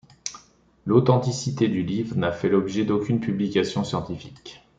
L'authenticité du livre n'a fait l'objet d'aucune publication scientifique.